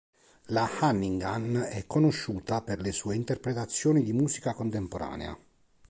La Hannigan è conosciuta per le sue interpretazioni di musica contemporanea.